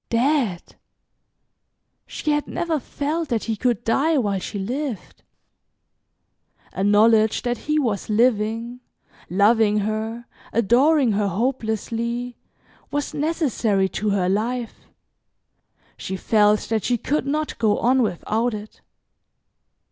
Dead! She had never felt that he could die while she lived. A knowledge that he was living, loving her, adoring her hopelessly was necessary to her life. She felt that she could not go on without it.